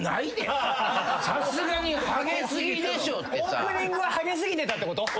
オープニングはハゲすぎてたってこと？